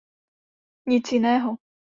Nic jiného.